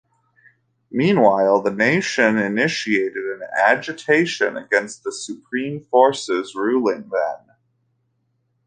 Meanwhile, the nation initiated an agitation against the supreme forces ruling then.